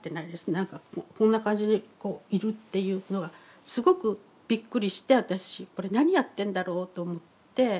何かこんな感じでいるっていうのがすごくびっくりして私これ何やってんだろうと思って。